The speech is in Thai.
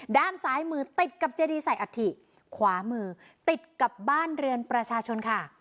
ด้านซ้ายมือติดกับเจดีใส่อัฐิขวามือติดกับบ้านเรือนประชาชนค่ะ